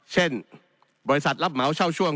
เช่นบริษัทรับเหมาเช่าช่วง